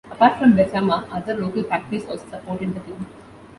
Apart from Befama, other local factories also supported the club.